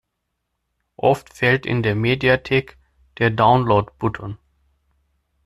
Oft fehlt in der Mediathek der Download-Button.